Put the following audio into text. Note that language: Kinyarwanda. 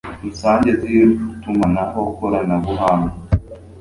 rusange z itumanaho koranabuhanga